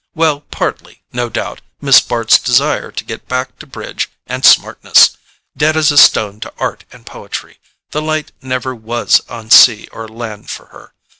Well—partly, no doubt, Miss Bart's desire to get back to bridge and smartness. Dead as a stone to art and poetry—the light never WAS on sea or land for her!